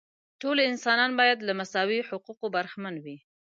ټول انسانان باید له مساوي حقوقو برخمن وي.